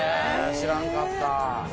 知らんかった。